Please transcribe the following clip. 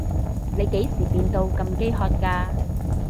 你幾時變到咁飢渴㗎？